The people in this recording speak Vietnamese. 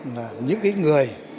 là những cái người